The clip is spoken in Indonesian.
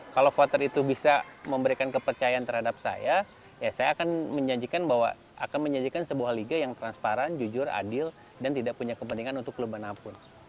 kalau voter itu bisa memberikan kepercayaan terhadap saya ya saya akan menjanjikan sebuah liga yang transparan jujur adil dan tidak punya kepentingan untuk klub manapun